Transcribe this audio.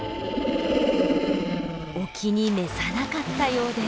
お気に召さなかったようです。